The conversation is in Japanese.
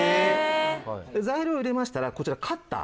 材料入れましたらこちらカッター。